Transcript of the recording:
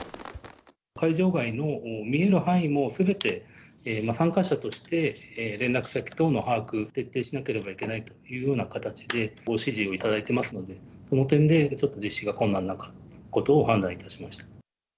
会場外の見える範囲もすべて参加者として、連絡先等の把握、徹底しなければいけないというような形でご指示をいただいてますので、この点でちょっと実施が困難なことを判断いたしました。